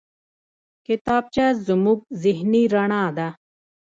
کتابچه زموږ ذهني رڼا ده